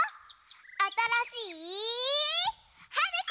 あたらしいはるき！